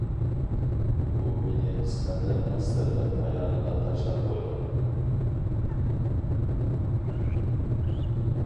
ئۇ مېنى قىسمەتلەرنىڭ سىرلىق پايانىغا تاشلاپ قويغان.